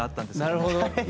なるほど。